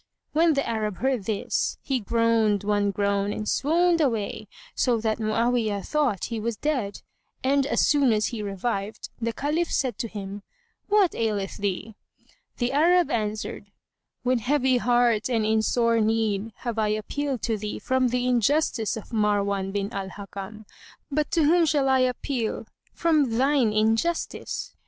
When the Arab heard this, he groaned one groan and swooned away, so that Mu'awiyah thought he was dead; and, as soon as he revived, the Caliph said to him, "What aileth thee?" The Arab answered, "With heavy heart and in sore need have I appealed to thee from the injustice of Marwan bin al Hakam; but to whom shall I appeal from thine injustice?"